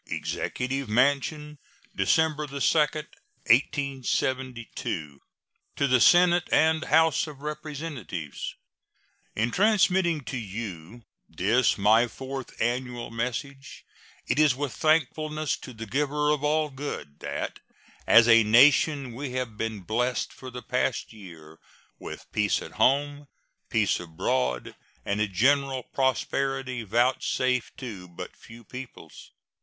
EXECUTIVE MANSION, December 2, 1872. To the Senate and House of Representatives: In transmitting to you this my fourth annual message it is with thankfulness to the Giver of All Good that as a nation we have been blessed for the past year with peace at home, peace abroad, and a general prosperity vouchsafed to but few peoples.